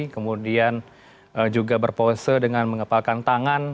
kemudian juga berpose dengan mengepalkan tangan